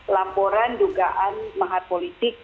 laporan jugaan mahar politik